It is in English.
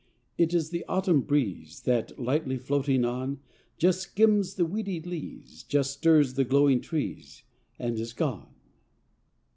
It is the autumn breeze, That, lightly floating on, Just skims the weedy leas, Just stirs the glowing trees, And is gone.